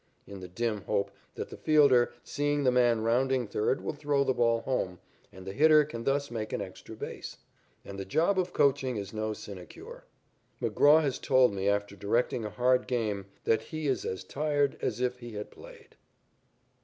in the dim hope that the fielder, seeing the man rounding third, will throw the ball home, and the hitter can thus make an extra base. And the job of coaching is no sinecure. McGraw has told me after directing a hard game that he is as tired as if he had played.